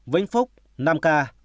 vĩnh phúc năm ca